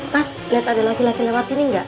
mas lihat ada laki laki lewat sini nggak